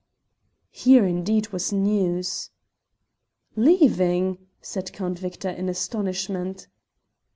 Here indeed was news "Leaving!" said Count Victor in astonishment.